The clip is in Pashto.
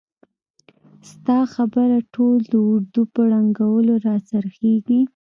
ستا خبره ټول د اردو په ړنګولو را څرخیږي!